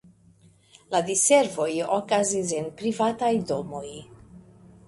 La diservoj okazis en privataj domoj.